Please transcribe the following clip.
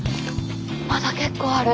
まだ結構ある。